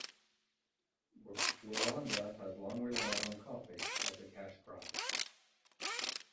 Rwanda has long relied on coffee as a cash crop.